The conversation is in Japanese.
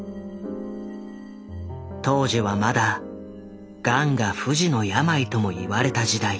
当時はまだガンが「不治の病」ともいわれた時代。